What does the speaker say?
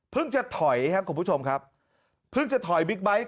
จะถอยครับคุณผู้ชมครับเพิ่งจะถอยบิ๊กไบท์